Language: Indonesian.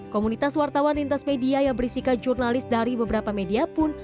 komunitas wartawan lintas media yang berisikan jurnalis dari beberapa media pun